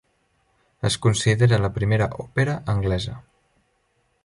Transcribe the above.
Es considera la primera òpera anglesa.